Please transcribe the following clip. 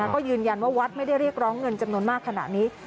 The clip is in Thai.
ก็ยืนยันว่าวัดไม่ได้เรียกร้องเงินจำนวนมากขนาดนี้